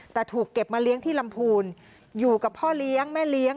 แต่ถูกเก็บมาเลี้ยงที่ลำพูนอยู่กับพ่อเลี้ยงแม่เลี้ยง